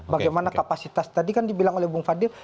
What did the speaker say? bagaimana kapasitas tadi kan dibilang oleh bung fadil